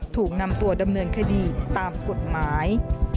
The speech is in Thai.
ถูกนำตัวดำเนินคดีตามกฎหมาย